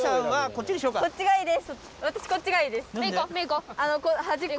はい。